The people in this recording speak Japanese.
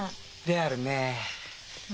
であるね。